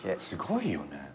すごいよね。